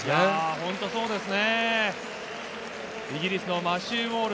本当そうですね。